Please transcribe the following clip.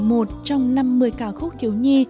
một trong năm mươi ca khúc thiếu nhi